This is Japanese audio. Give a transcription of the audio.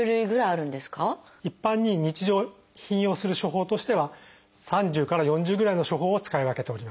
一般に日常頻用する処方としては３０から４０ぐらいの処方を使い分けております。